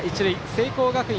聖光学院